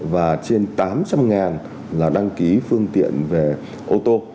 và trên tám trăm linh là đăng ký phương tiện về ô tô